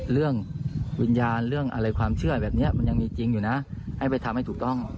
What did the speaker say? เรื่องวิญญาณเรื่องอะไรความเชื่อแบบนี้มันยังมีจริงอยู่นะให้ไปทำให้ถูกต้อง